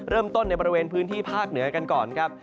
ในบริเวณพื้นที่ภาคเหนือกันก่อนครับ